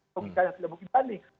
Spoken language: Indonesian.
logikanya tidak mungkin banding